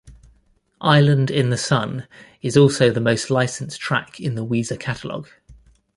"Island in the Sun" is also the most-licensed track in the Weezer catalog.